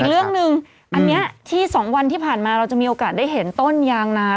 เรื่องหนึ่งอันนี้ที่๒วันที่ผ่านมาเราจะมีโอกาสได้เห็นต้นยางนา